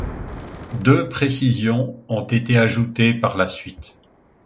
Deux précisions ont été ajoutées par la suite.